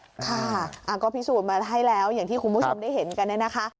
ค่ะก็พิสูจน์มาให้แล้วอย่างที่คุณผู้ชมได้เห็นกันเนี่ยนะคะ